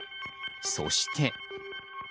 そして。